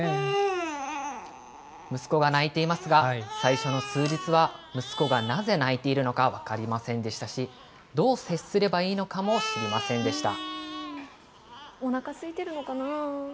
息子が泣いていますが、最初の数日は息子がなぜ泣いているのか分かりませんでしたし、どう接すればいいのかも知りませんでした。